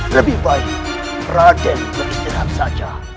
lebih baik raden beristirahat saja